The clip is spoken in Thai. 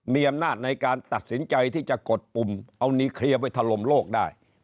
มีอำนาจในการตัดสินใจที่จะกดปุ่มเอานีเคลียร์ไปถล่มโลกได้